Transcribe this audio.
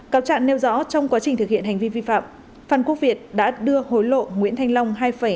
các trạng nêu rõ trong quá trình thực hiện hành vi vi phạm phan quốc việt đã đưa hối lộ nguyễn thanh long